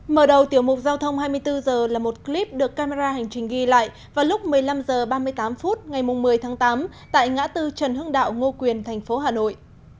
mở đầu tiểu mục giao thông hai mươi bốn h là một clip được camera hành trình ghi lại vào lúc một mươi năm h ba mươi tám phút ngày một mươi tháng tám tại ngã tư trần hưng đạo ngô quyền thành phố hà nội